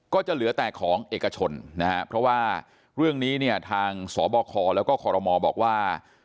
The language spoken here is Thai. ก็จะเหลือแต่ของเอกชนนะฮะเพราะว่าเรื่องนี้เนี่ยทางสบคแล้วก็คอรมอบอกว่า